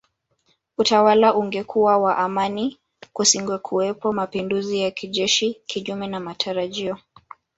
Utawala ungekuwa wa amani kusingekuwepo mapinduzi ya kijeshi Kinyume na matarajio